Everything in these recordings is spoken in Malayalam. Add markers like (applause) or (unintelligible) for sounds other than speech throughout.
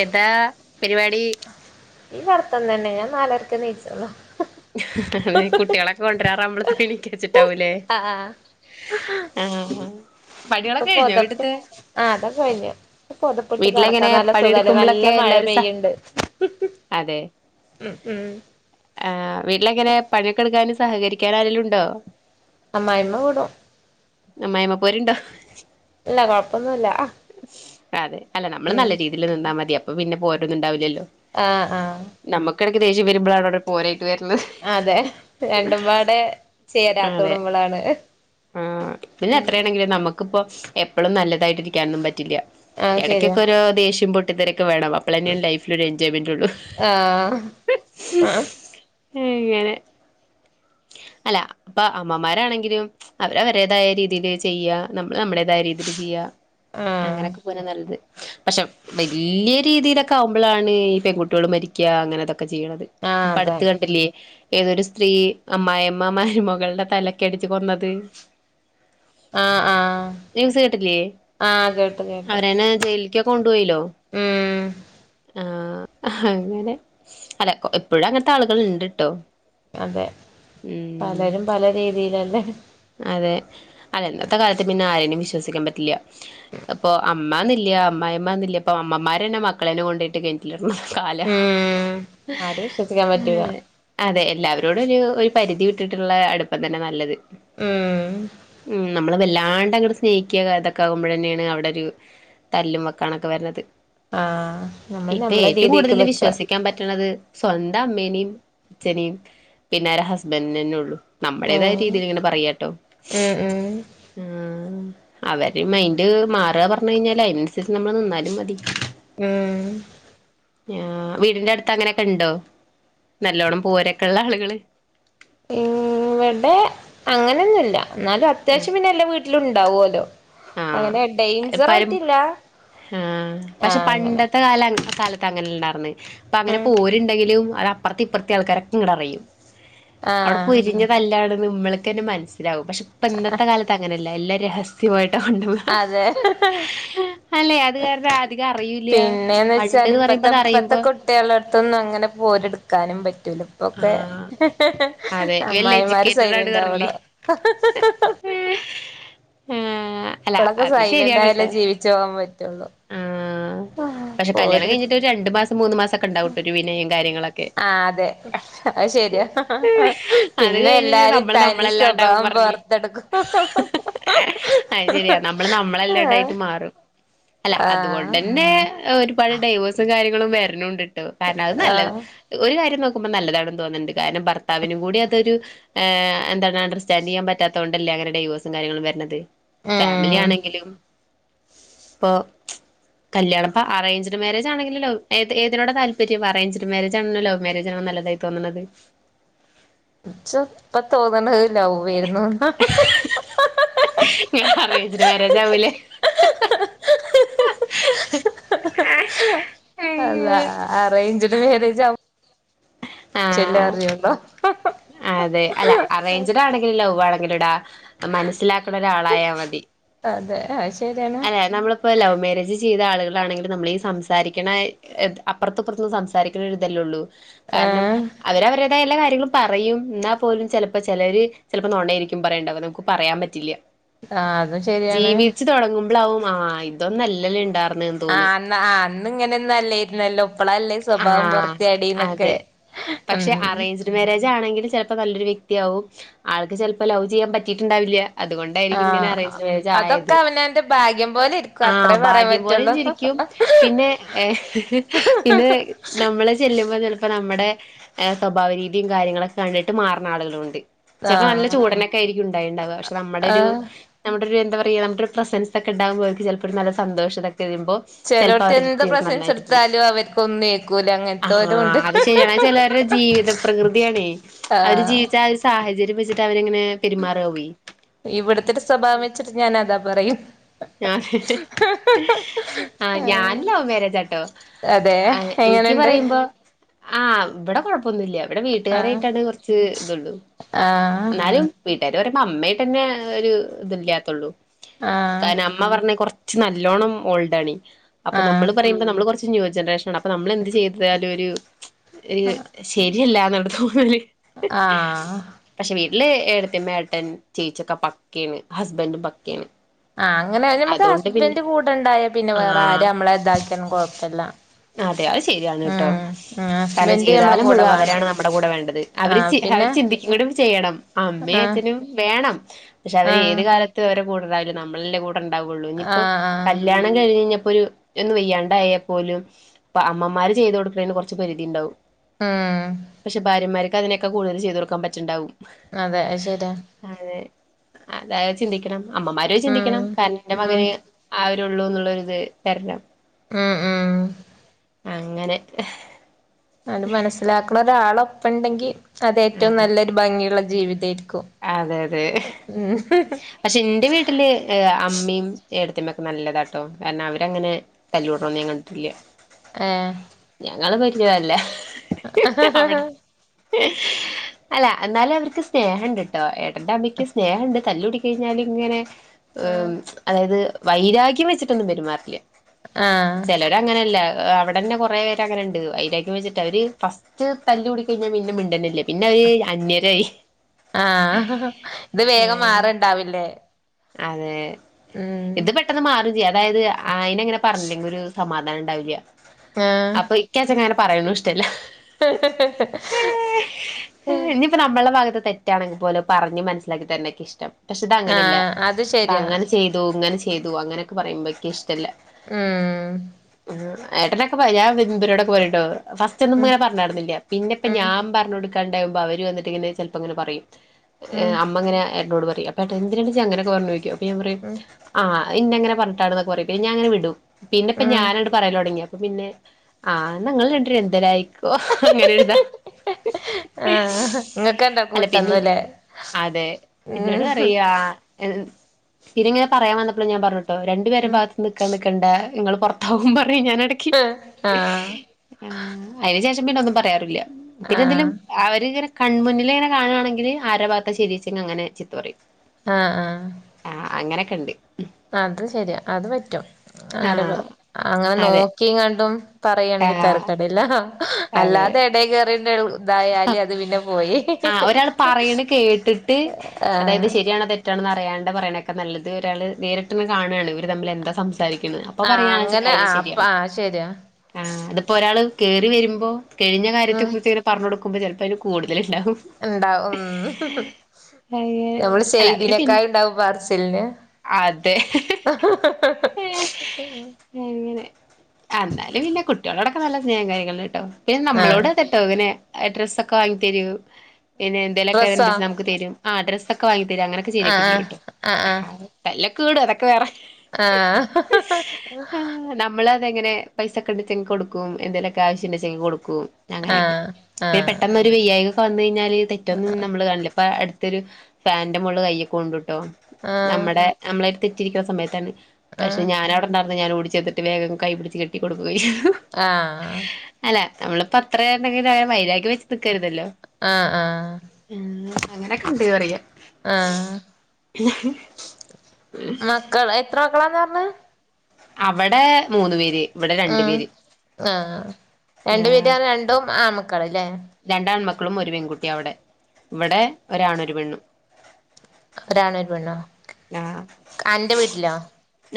യതാ പരിപാടി? ഈ കട്‌ത്തം തന്നെ ഞാൻ നാലര്ക്കെ നീച്ചൊള്ളൂ. കുട്ട്യാളൊക്കെ കൊണ്ടരാറാവുമ്പോ എണിക്കച്ചിട്ടാവൂല്ലേ? ആഹ് ആഹ് ആഹ്. ഇപ്പം പണികളൊക്കെ കഴിഞ്ഞോ പൊതപ്പ് വീട്ട്ത്തെ ആഹ് അതൊക്കെ കഴിഞ്ഞു. ഇപ്പൊ പൊതപ്പ്ട്ട് വീട്ടിലെങ്ങനെ കെടക്കാൻ നല്ല സുഖല്ലേ പണിയെടുക്കുമ്പളൊക്കെ നല്ല മഴ എല്ലാവരും സഹ പെയ്യ്ണ്ട്. അതെ ഉം ഉം ആഹ് വീട്ടിലെങ്ങനെ പണിയൊക്കെടുക്കാന് സഹകരിക്കാന് ആരേലും ഉണ്ടോ? അമ്മായിമ്മ കൂടും. അമ്മായിമ്മ പോര്ണ്ടോ? ഇല്ല കൊഴപ്പൊന്നുല്ല. അതെ അല്ല നമ്മള് ഉം നല്ല രീതീല്‌ നിന്നാ മതി അപ്പൊ പിന്നെ പോരൊന്നും ഇണ്ടാവില്ല്യല്ലോ? ആഹ് ആഹ് നമ്മക്കെടക്ക് ദേഷ്യം വരുമ്പോളാണ് അവ്ടെ പോരായ്ട്ട്‌‌ വര്ല്. അതെ രണ്ടുംപാടെ അതെ ചെരാത്തോടുമ്പളാണ്. ആഹ് പിന്നെ എത്രണെങ്കിലും നമക്ക് ക്ക് ഇപ്പൊ എപ്പോളും നല്ലതായിട്ട് ഇരിക്കാനൊന്നും പറ്റില്ല്യ ആഹ് ശരിയാ എടയ്ക്കൊക്കെ ഓരോ ദേഷ്യം പൊട്ടിത്തെറിം ഒക്കെ വേണം. അപ്പളെന്നെ ലൈഫില് ഒര് എൻജോയ്മെന്റൊള്ളു. ആഹ് ആഹ് ഏഹ് അങ്ങനെ അല്ല ഇപ്പ അമ്മമാരാണെങ്കിലും അവര് അവരേതായ രീതില് ചെയ്യ നമ്മൾ നമ്മുടേതായ രീതീല് ചെയ്യ. ആഹ്. അങ്ങനെയൊക്കെ പോനാ നല്ലത്. പക്ഷെ വല്ല്യ രീതീലൊക്കെ ആവുമ്പളാണ് ഈ പെൺകുട്ട്യള് മരിക്ക അങ്ങനെതൊക്കെ ചെയ്യണത്. ആഹ് അതെ ഇപ്പട്ത്ത് കണ്ടില്ലേ. ഏതൊരു സ്ത്രീ അമ്മായിമ്മ മരുമകളുടെ തലക്കടിച്ച് കൊന്നത്. ന്യൂസ്‌ കേട്ടില്ലേ. ആ കേട്ടു, കേട്ടു. പിന്ന ജയിലിക്ക്‌ കൊണ്ടുപോയില്ലോ ഉം ആ. ആ അങ്ങനെ അല്ല എപ്പൊഴും അങ്ങനത്തെ ആളുകൾ ഇണ്ട്ട്ടോ. അതെ പലരും പല രീതിയിലല്ലേ. അതെ അല്ല ഇന്നത്തെ കാലത്ത് പിന്നെ ആരലും വിശ്വസിക്കാൻ പറ്റില്ല. അപ്പൊ അ അമ്മാന്നില്ല്യ അമ്മയിമ്മാന്നില്ല്യ പ്പ അമ്മമാരന്നെ മക്കളെ കൊണ്ടോയിറ്റ് കെ (unintelligible) കാല ഉം ആരും വിശ്വസിക്കാൻ പറ്റൂല മ്. അതെ എല്ലാവരോടും ഒരു, ഒരു പരിധി വിട്ടിട്ട്ള്ളെ അടുപ്പം തന്നെ നല്ലത്. ഉം. മ് നമ്മള് വല്ലാണ്ട് അങ്ങട് സ്നേഹിക്ക ഇതൊക്കെ ആകുമ്പഴന്നേണ് അവിടെ ഒരു. തല്ലും വക്കാണൊക്കെ വരണത്. ആഹ് നമ്മൾ ഇപ്പ നമ്മളെ ഏറ്റവും രീതിക്ക് കൂടുതൽ നിക്ക വിശ്വസി ക്കാൻ പറ്റണത് സ്വന്തം അമ്മേനിം അച്ഛനിം പിന്നെരെ ഹസ്ബന്റിനെന്നെ ഉള്ളു. നമ്മുടേതായ ഉം രീതിയിലിങ്ങനെ പറയാ. ഉം, ഉ അവര് മൈന്റ് മാറ പർഞ്ഞ് കഴിഞ്ഞാല് അതിനനുസരിച്ച് നമ്മള് നിന്നാലും മതി. മ്. ഞാ വീടിന്റെ അടുത്ത് അങ്ങനെയൊക്കെ ഇണ്ടോ നല്ലോണ്ണം പോരൊക്കെള്ള ആളുകള്. മ് ഇവിടെ. ഇല്ല ല്ല ന്നാലും അത്യാവശ്യം പിന്നെ എല്ലാ വീട്ടിലും ഉണ്ടാവല്ലോ. ആ ഇപ്പാരും ആ പക്ഷെ ആഹ് അങ്ങനെ പണ്ടത്തെ കാല, കാല ത്തങ്ങനെ ഇണ്ടാർന്നേ അപ്പ അങ്ങനെ ഉം പോരുണ്ടെങ്കിലും അത് അപ്പറത്തി ഇപ്പറത്തി ആൾക്കാരൊക്കെ ഇങ്ങട് അറിയും. അവടെ ആഹ് പൊരിഞ്ഞതല്ലാണന്ന് നമ്മൾക്കന്നെ മനസ്സിലാവും പക്ഷെ. ഇപ്പ ഇന്നത്തെ കാലത്ത് അങ്ങനെയല്ല എല്ലാം രഹസ്യായിട്ട കൊണ്ട്പോന്നേ. അതെ. അല്ലെ അത് കാരണം അധികം അറിയില്ല പണ്ട്ന്ന് പറയുമ്പോ അത് അറിയുമ്പോ. കുട്ട്യാളടുത്തോന്നും അങ്ങനെ പോര് ഇട്ക്കാനും പറ്റൂല ഇപ്പൊക്കെ. ആഹ് അതെ വെൽ അമ്മായിമാര് എഡ്യൂക്കേറ്റഡ് ആണ് പറഞ്ഞില്ലേ സൈലന്റാവണം. ഏ. അല്ല ഇപ്പളൊക്കെ അത് സൈലന്റ് ശരിയാണ് ആയാലേ ട്ടൊ. ജീവിച്ചു പോകാൻ പറ്റുള്ളൂ ആ പക്ഷെ കല്യാണം ഓര് കഴിഞ്ഞിട്ട്. രണ്ട് മാസം മൂന്ന് മാസം ഒക്കെണ്ടാവട്ടും ഒരു വിനയം കാര്യങ്ങളൊക്കെ. ആ അതെ. അ ശരിയാ അത് പിന്നെ കഴിഞ്ഞ് എല്ലാരും നമ്മള് തനി നമ്മളല്ലാണ്ടാവും സ്വഭാവം പറഞ്ഞില്ലേ പൊർത്തെടുക്കും. (unintelligible) അത് ശരിയാ നമ്മള് നമ്മളെല്ലാണ്ടായിട്ട് മാറും അല്ല ആഹ് അതുകൊണ്ടന്നെ. പിന്നെ ഒരുപാട് ഡൈവോഴ്സും കാര്യങ്ങളും വര്നൂണ്ട്ട്ടൊ കാരണം അത് നല്ലത് ആഹ് ഒരു കാര്യം നോക് ക്കുമ്പ നല്ലതാണെന്ന് തോന്ന്ണ്ട് കാരണം ഭർത്താവിനും കൂടി അതൊരു. ഏ എന്താണ് അണ്ടർസ്റ്റാന്റെയ്യാൻ പറ്റാത്തോണ്ടല്ലേ അങ്ങന ഡൈവോസും കാര്യങ്ങളും വരണത്. ഫാമിലി ഉം ആണെങ്കിലും ഇപ്പൊ. കല്യാണപ്പ അറേഞ്ച്ഡ് മേരേജ് ആണെങ്കിലും ഏത് ഏതിനോട താല്പര്യം അറേഞ്ച്ഡ് മേരേജ് ആണോ ലവ് മേരേജ്. ജാണോ നല്ലതായി തോന്നണത്. ച്ചൊ ഇപ്പ തോന്നണ് ലവ്വായിരുന്നോന്ന്. നിങ്ങള് അറേഞ്ച്ഡ് മേരേജാവുലേ. അള്ളാഹ് അറേഞ്ച്ഡ് മേരേജ് ആവു ആഹ് (inaudible) അതെ അല്ല അറേഞ്ച്ഡ് ആണെങ്കിലും ലവ്വാണെങ്കിലും ടാ മനസ്സിലാക്കണ ഒരാളായ മതി അതെ അയ്ശ് അല്ലെ നമ്മളിപ്പോ ലവ് മേരേജ് ചെയ്ത ആളുകളാണെങ്കിലും നമ്മളീ സംസാരിക്കണ അപ്പുറത്തിപ്പറത്തുന്ന് സംസാരിക്കുന്ന ഒരിതല്ലേ ഉള്ളൂ കാരണം ഏഹ് അവര് അവരടെ എല്ലാ കാര്യങ്ങളും പറയും എന്നാ പോലും ചെലപ്പോ ചെലര് ചെലപ്പോ നൊണായിരിക്കും പറയണ്ടാവ നമുക്ക് പറയാൻ പ റ്റില്ല ആഹ് അതും ശരിയാണ് തുടങ്ങുമ്പളാവും ആ ഇതൊന്നല്ലല്ലേ ഇണ്ടാർന്നേന്ന് ആഹ് അന്ന് അന്നിങ്ങനെ ഒന്നും അല്ലായിരുന്നല്ലോ ഇപ്പളല്ലേ സ്വഭാവം ആഹ് പൊറത്ത് ചാടീന്നൊക്കെ ഉം ഡ് മേരേജ് ആണെങ്കില് ചെലപ്പോ നല്ലൊരു വ്യക്തിയാകും ആൾക്ക് ചെലപ്പോ ലവ് ചെയ്യാൻ പറ്റീട്ട്ണ്ടാവില്യ അതുകൊ ണ്ടായിരിക്കും ഇങ്ങനെ ആഹ് അറേഞ്ച്ഡ് മേരേജ് ആയത് അതൊക്കെ അവനവന്റെ ഭാഗ്യം പോലെ ഇരിക്കും ആഹ് അത്രേ പറയാൻ ഭാഗ്യം പറ്റുള്ളൂ പോലെന്നിരിക്കും പിന്നെ പിന്നെ നമ്മള് ചെല്ലുമ്പോ ചെലപ്പോ നമ്മടെ സ്വഭാവ രീതിയും കാര്യങ്ങളൊക്കെ കണ്ടിട്ട് മാറണ ആളുകളുമുണ്ട് ചെലപ്പോ നല്ല ആഹ് ചൂടനൊക്കെ ആയിരിക്കും ഉണ്ടായിണ്ടാവ പക്ഷെ നമ്മുടൊരു ആഹ് നമ്മുടെ ഒരു എന്താ പറയാ നമ്മുടെ ഒരു പ്രസൻസ് ഒക്കെ ഉണ്ടാകുമ്പോ ഓർക്ക് ചെല പ്പോ നല്ല സന്തോഷം ഇതൊക്കെ വരുമ്പോ ചെലപ്പോ അവര് നന്നായിട്ട് പോവും ഒന്നേൽ ക്കൂലെങ്ങന് ആഹ് അത് ശരിയാണ് അത് ചെലോരെ ജീവിത പ്രകൃതിയാണേ അവര് ആഹ് ജീവിച്ച ആ സാഹചര്യം വെച്ചിട്ട് അവരിങ്ങനെ പെരുമാറു ആവ്വേ ഇവിടത്തൊരു സ്വഭാവം വെച്ചിട്ട് ഞാൻ അതാ പറയ്യ ഞാൻ ആഹ് ഞാൻ ലവ് മേരേജാട്ടോ അതെ എനിക്ക് എങ്ങനെണ്ട് പറയിമ്പോ ആഹ് ഇവിടെ കൊഴപ്പൊന്നുല്ല ഇവിടെ ആഹ് വീട്ടുകാരായിട്ടാണ് കൊറച്ച് ഇതുള്ളൂ ആഹ് എന്നാലും വീട്ടാര് പറയുമ്പോ അമ്മേയിട്ടന്നെ ഒരു ഇത്‌ല്യാത്തൊള്ളൂ ആഹ് കാരണം അമ്മ പറഞ്ഞാ കൊറച്ച് നല്ലോണം ഓൾഡ് ആണേ അപ്പൊ ആഹ് നമ്മള് പറയുമ്പോ നമ്മള് കൊറച്ച് ന്യൂ ജനറേഷൻ ആണ് അപ്പൊ നമ്മൾ എന്ത് ചെയ്താലും ഒരു ഒരു ശരിയല്ലാന്നൊള്ള തോന്നല് ആഹ് (inaudible) പക്ഷെ വീട്ടില് ഏട്ടത്തി അമ്മ, ഏട്ടൻ, ചേച്ചി ഒക്കെ പക്കേണ്. ഹസ്ബന്റും പക്കേണ്. ആഹ് അങ്ങനെ ഞമ്മക്ക് ഹസ്ബന്റ് കൂടെണ്ടായാ പിന്നെ വേറെ ആഹ് ആരും നമ്മളെ ഇതാക്കിയാലും കൊഴപ്പല്ല അതെ അത് ശരിയാണ്‌ ട്ടോ ഉം കാരണം ഹസ്ബൻഡ് നമ്മളെ ജീവിതകാലം കൂടെ മുഴുവൻ വേണം അവരാണ് നമ്മുടെ കൂടെ വേണ്ടത് അവര് ആഹ് അവര് പിന്നെ ചിന്തിക്കും കൂടെ ചെയ്യണം അമ്മേം ആഹ് അച്ഛനും വേണം പക്ഷെ അവര് ആഹ് ഏത് കാല ത്ത് അവര് കൂടെ ഇണ്ടാവില്ല നമ്മളല്ലേ കൂടെ ഉണ്ടാവുള്ളൂ ഇനിപ്പ ആഹ് ആഹ് കല്യാ ണം കഴിഞ്ഞഴിഞ്ഞപ്പൊരു ഒന്ന് വെയ്യാണ്ടായ പോലും അപ്പ അമ്മമാര് ചെയ്ത് കൊടുക്കണതിന് കൊറച്ച് പരിധി ഇണ്ടാവും ആഹ് പക്ഷെ ഭാര്യമാര്ക്ക് അതിനെക്കാ കൂടുതൽ ചെയ്തു കൊടുക്കാൻ പറ്റ്ണ്ടാവും അതെ അത് ശര്യാ അതെ അതായി ചിന്തിക്കണം അമ്മമാരും അത് ഉം ചിന്തിക്കണം കാരണെന്റെ ഉം മകന് ആ ഒരു ഉള്ളൂ എന്നുള്ളരിത് തരണം ഉം ഉം അങ്ങനെ അത് മനസ്സിലാക്കുന്ന ഒരാളോപ്പണ്ടെകി അത് ഏറ്റവും അതെ നല്ല ഒരു ഭംഗിയുള്ള ജീവിതെയിരിക്കും അതെ അതെ പക്ഷെ ഇന്റെ വീട്ടില് ഏ അമ്മയും ഏട്ടത്തിയമ്മയൊക്കെ നല്ലതാട്ടോ കാരണം അവരങ്ങനെ തല്ല് കൂടുന്നതൊന്നും ഞാൻ കണ്ടിട്ടില്ല ഏ (unintelligible) അല്ല എന്നാലും അവർക്ക് സ്നേഹം ഇണ്ട് ഏട്ടൻ്റെ അമ്മയ്ക്ക് സ്നേഹണ്ട് തല്ലു കൂടി കഴിഞ്ഞാലും ഇങ്ങനെ ഏ ആഹ് അതായത് വൈരാഗ്യം വെച്ചിട്ടൊന്നും പെരുമാറില്ല ആഹ് അതങ്ങനല്ലേ അവിടെന്നെ കൊറേ പേര് അങ്ങനെണ്ട് വൈരാഗ്യം വെച്ചിട്ട് ഫസ്റ്റ് റ്റ് തല്ല് കൂടി കഴിഞ്ഞാൽ പിന്നെ മിണ്ടലില്ല പിന്നെ അവര് അന്യരായി ആഹ് അഹ് ഇത് വേഗം മാറുണ്ടാവില്ലേ അതെ ഇത് പെട്ടെന്ന് മാറും ചെയ്യാം അതായത് അയിനങ്ങനെ പറഞ്ഞില്ലകിൽ ഒരു സമാധാനം ഇണ്ടാവില്ല ആഹ് അപ്പൊ എനിക്ക് അങ്ങനെ പറയുന്നതും ഇഷ്ട്ടല്ല ഇഞ്ഞിയിപ്പോ നമ്മടെ ഭാഗത്ത് തെ റ്റാണങ്കി പൊലും പറഞ്ഞ് മനസ്സിലാക്കി തരുന്നതാ ഇൻക്കിഷ്ട്ടം പക്ഷെ ഇത് അങ്ങനല്ല ആഹ് അത് ശരിയാ ചെയ്തു ഇങ്ങനെ ചെയ്തു അങ്ങനെയൊക്ക പറയുമ്പോഇന്ക് ഇഷ്ടല്ല ഉം യേട്ടനൊക്കെ പറയും ഞാൻ ഇബാലോടൊക്കെ പറയുട്ടോ ഫസ്റ്റ് ഒന്നും ഉം ഞാൻ പറഞ്ഞടയിരുന്നില്ല പിന്നെ പ്പ ഉം ഞാൻ പറഞ്ഞോടിക്കണ്ടാവുമ്പോ അവർ വന്നാണ്ട് ചെലപ്പം ഇങ്ങനെ പറയും ഹ് ഉം അമ്മ അങ്ങന ഏട്ടനോട് പറയും അപ്പോ എന്തിനെച്ച അങ്ങനൊക്കെ പറഞ്ഞതെന്ന് ചോയ്ക്കും അപ്പൊ ഞാൻ പറയും ഉം ആഹ് ഇന്നെ ഇങ്ങനെ പറഞ്ഞിട്ടാണ് എന്നൊക്കെ പറയും പിന്നെ ഞാൻ ഇങ്ങനെ വിടും പിന്നെ ഇപ്പൊ ഉം ഞാനാണ്ട് പറയല് തൊടങ്ങി അപ്പൊ പിന്നെ ആഹ് ഇങൾ രണ്ട് പേരുംഎന്തേലും ആയിക്കോ അങ്ങനൊരിതാ ആഹ് ഇങ്ങക്കണ്ട അല്ല പിന്നെ കൂട്ടന്നുല്ലേ അതെ ഉം ഇന്നോട് പറയ പിന്നെങ്ങനെ പറയാം വന്നപ്പോൾ ഞാൻ പറഞ്ഞട്ടോ രണ്ടു പേരെ ഉം ഭാഗത്ത് നിക്കാൻ നിൽക്കണ്ട ഇങ്ങള് പൊറത്താവും പറയും ഞാൻ ഏ ആഹ് ആഹ് അതിന് ശേഷം പിന്നെ ഒന്നും പറയാറില്ല പിന്നെ എന്തേലും ആഹ് അവരിങ്ങനെ കൺമുന്നിൽ ഇങ്ങനെ കാണയാണെങ്കിൽ ആര ഭാഗത്ത ശരിന്നുവെച്ച അങ്ങനെ ചീത്ത പറയും ആഹ് ആഹ് ആഹ് അങ്ങനെയൊക്കെണ്ട് ആഹ് അത് ശരിയ അത് പറ്റും ആ ആരതും അങ്ങനെ അതെ നോക്കിം കണ്ടും ആ പറയാണെങ്കിൽ തരക്കേടില്ല അതെ അല്ലാതെ യെടെ കേറിണ്ടേല് തയാൽ അത് പിന്നെ പോയി ട്ട് അതായത് ആഹ് ശരിയാണോ തെ റ്റാണെന്ന് അറിയാതെ പറയാനൊക്കെ റ്റാൻ അറിയണ്ടേ പറയിനെക്കാൾ നല്ലത് ഒരാൾ നേരിട്ട് തന്നെ കാണുകയാണ് ഇവർ തമ്മിൽ എന്താ സംസാരിക്കുന്നത് ഇപ്പൊ ആഹ് പറയയാണെച്ച അങ്ങനെ കാര്യം ആഹ് അപ്പ ശരിയാണ് ആഹ് ശരിയാ ആഹ് ഇതിപ്പോ ഒരാൾ കേറി വരുമ്പോ കഴിഞ്ഞ കാര്യത്തെ ഉം കുറിച്ച് ഇങ്ങനെ പറഞ്ഞു കൊടുക്കുമ്പോ ചെലപ്പോ അതിന് കൂടുതൽണ്ടാവും ഉണ്ടാവും ഉം അങ്ങനെ നമ്മള് അല്ല അവര് പിൻ ചെയ്തതിനേക്കാളും ഇണ്ടാവും പറച്ചിലിന് അതെ (unintelligible) അങ്ങനെ എന്നാലും കുട്ടികളോടൊക്കെ നല്ല സ്നേഹം കാര്യോക്കണ്ട്ട്ടൊപിന്നെ നമ്മളോട് ആഹ് അതെ (unintelligible) ഡ്രസ്സ്‌ ഒക്ക വാങ്ങി തരൂ പിന്നെ എന്തേലൊക്കെ ഡ്രസ്സോ ഇണ്ട്ച് നമുക്ക് തരു ആ ഡ്രസ്സ് ഒക്ക വാങ്ങി തരും അങ്ങനൊക്കെ ചെയ്ത് ആഹ് ചെയ്യുട്ടോ ആഹ് തല്ലൊക്ക കൂടും അതൊക്കെ വേറെ ആഹ് അമ്മളെ ഇത് എങ്ങനെ പൈസക്കണ്ട്ച്ചങ്കി കൊട്ക്കും എന്തേലെക്കെ ആവശ്യണ്ട്ചങ്കി കൊടുക്കും അങ്ങനെക്കെ ആഹ് ആഹ് പിന്നെ ആഹ് പെട്ടെന്നൊരു വയ്യായികൊക്കെ വന്ന് കഴിഞ്ഞാല് തെറ്റൊന്നും നമ്മള് കാണില്ല ഇപ്പൊ അട് ത്തരു ഫാൻന്റെ മോൾല് കയ്യോക്കെ കൊണ്ടുട്ടോ ആഹ് നമ്മടെ നമ്മളായിറ്റ് തെറ്റിരിക്കുന്ന സമയത്താണ് പക്ഷെ ആഹ് ഞാന അവടണ്ടാർന്ന് ഞാന് ഓടി ചെന്നിട്ട് വേഗം കൈ പിടിച്ച് കെട്ടി കൊടുക്കോയി ആഹ് അല്ല നമ്മളിപ്പ അത്രയാ എന്തേങ്കിലായ വൈരാഗ്യം വെച്ച് നിക്കരുതല്ലോ ആഹ് ആഹ് ആ അങ്ങനെക്കെ ഇണ്ട് പറയാ ആഹ് മക്കള് എത്ര മക്കളാന്നാ പർഞ്ഞേ അവടേ മൂന്ന് പേര് ഇവിടെ രണ്ടു ഉം പേര് ആഹ് രണ്ടു വീട്ടിലാന്നെ രണ്ടും ആമക്കള് ലെ രണ്ടാൺമക്കളും ഒരു പെൺകുട്ടി അവടെ ഇവടെ ഒരാണും ഒരു പെണ്ണും ഒരാണൊരു പെണ്ണും ആഹ് അന്റെ വീട്ട്ലോ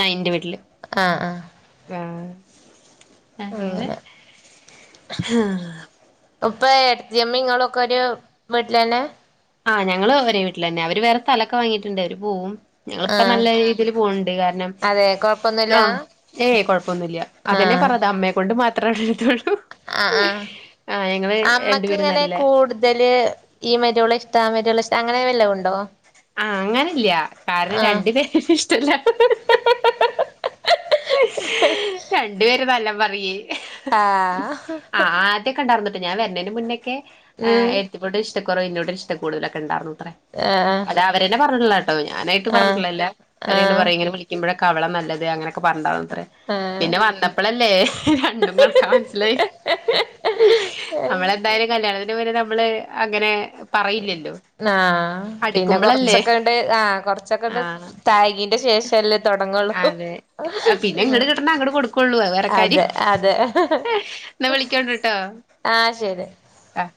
ആഹ് ഇന്റെ വീട്ടില് ആഹ് ആഹ് ആഹ് അങ്ങനെ ഉപ്പ ഏട്ടത്തിയമ്മീം ഇങ്ങളൊക്കെ ഒരു വീട്ട്ലന്നെ ആ ഞങ്ങള് ഒരേ വീട്ട്ലന്നെ അവര് വേറെ സ്ഥലൊക്ക വാങ്ങിട്ടുണ്ട് അവര് പോവും ഞങ്ങളിപ്പ ആഹ് നല്ല രീതിയില് പോവ്ണ്ട് കാര്ണം അതെ കൊഴപ്പൊന്നുല്ല ആഹ് ഏയ് കൊഴപ്പൊന്നില്ല്യാ അതന്നെ ആഹ് പർഞ്ഞത് അമ്മയെക്കൊണ്ട് മാത്രേ ഒരിതൊള്ളൂ ആഹ് -ആഹ് ആഹ് ഞങ്ങള് അമ്മക്ക് രണ്ടുപേരും ഇങ്ങനെ നല്ല കൂട്തല് ഈ മരോള ഇഷ്ട ആ മരോള ഇഷ്ട അങ്ങനെ വല്ലോം ഉണ്ടോ ആ അങ്ങനെല്ല്യാ കാരണം ആഹ് രണ്ടു പേരെയും ഇഷ്ടല്ല രണ്ട് പേരും നല്ലം പറിയെ ആഹ് ആ ആ ആദ്യൊക്കെ ഇണ്ടാർന്നുട്ടോ ഞാൻ വര്ണേന് മുന്നേക്കെ ഏ ഉം ഏട്ടത്തീമ്മനോട് ഇഷ്ട കൊറവ് ഇന്നോടൊരു ഇഷ്ടം കുടുതലൊക്കെ ഇണ്ടാർന്നു ത്രേ ആഹ് ആഹ് അവരന്നെ പറഞ്ഞിട്ട്ള്ളാട്ടോ ഞാനായിട്ട് പർഞ്ട്ട്ള്ളല്ലാ അവരിങ്ങനെ ആഹ് പറയും ഇങ്ങനെ വിളിക്കുമ്പഴൊക്കെ അവളാ നല്ലത് അങ്ങനെ ക്കൊ പ (unintelligible) ത്രേ ആഹ് പിന്നെ വന്നപ്പളല്ലേ രണ്ടും കണക്കാ മൻസ്സിലായി നമ്മളെന്തായാലും കല്യാണത്തിന് മുന്നെ നമ്മള് അങ്ങനെ പറയില്ലല്ലോ ആഹ് പിന്നെ അടുക്കുമ്പളല്ലേ കൊർച്ചൊക്കങ്ങട്ട് ആ കൊർച്ചൊക്ക ഒന്ന് ആഹ് തായികീന്റെ ശേഷല്ലേ തൊട്ങ്ങോള്ളു അതെ പിന്നെ ഉം ഇങ്ങട് കിട്ടണ അങ്ങട് കൊടുക്കുള്ളൂ അത് വേറെ കാര്യം അതെ അതെ എന്നാ വിളിക്കോണ്ടിട്ടോ ആ ശരി ആഹ്